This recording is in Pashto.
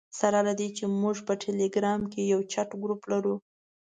سره له دې چې موږ په ټلګرام کې یو چټ ګروپ لرو.